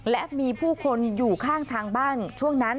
และมีผู้คนอยู่ข้างทางบ้านช่วงนั้น